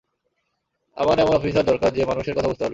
আমার এমন অফিসার দরকার, যে মানুষের কথা বুঝতে পারবে।